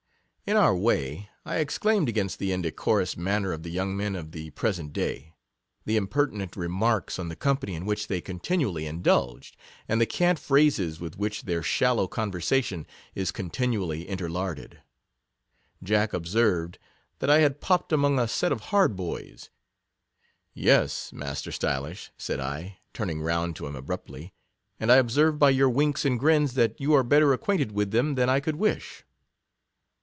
In our way, I exclaimed against the inde corous manner of the young men of the pre sent day; the impertinent remarks on the company in which they continually indulge; and the cant phrases with which their shal low conversation is continually interlarded. Jack observed, that I had popp'd among a set of hard boys ; yes, master Stylish, said I, turning round to him abruptly, and I ob served by your winks and grins, that you are better acquainted with them than I could wish.